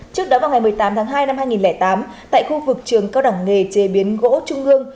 trước đó vào ngày một mươi tám tháng hai năm hai nghìn tám tại khu vực trường cao đẳng nghề chế biến gỗ trung ương